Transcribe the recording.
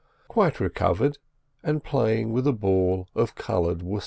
Quite recovered, and playing with a ball of coloured worsted.